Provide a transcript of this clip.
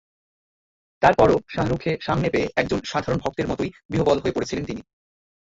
তারপরও শাহরুখকে সামনে পেয়ে একজন সাধারণ ভক্তের মতোই বিহ্বল হয়ে পড়েছিলেন তিনি।